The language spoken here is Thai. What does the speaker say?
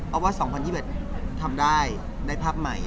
เอาว่า๒๐๒๑ทำได้ได้ภาพใหม่